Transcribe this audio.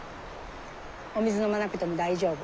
お水飲まなくても大丈夫。